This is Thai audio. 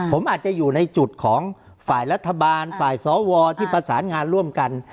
ผมอาจจะอยู่ในจุดของฝ่ายรัฐบาลฝ่ายสวที่ประสานงานร่วมกัน